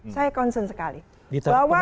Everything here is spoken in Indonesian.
saya concern sekali bahwa